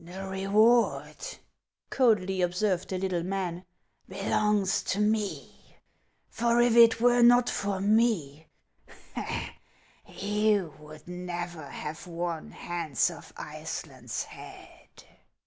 "The reward," coldly observed the little man, "belongs HANS OF ICELAND. 475 to me ; for if it were not for ine, you would never have won Hans of Iceland's head."